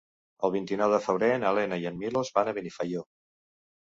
El vint-i-nou de febrer na Lena i en Milos van a Benifaió.